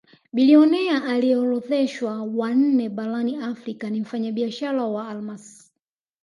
Bilionea aliyeorodheshwa wa nne barani Afrika ni mfanyabiashara wa almasi